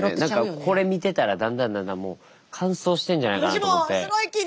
何かこれ見てたらだんだんだんだんもう乾燥してるんじゃないかなと思って。